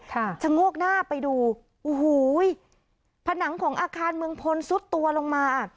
ค่ะจะงวกหน้าไปดูอูหูยผนังของอาคารเมืองพลสุดตัวลงมา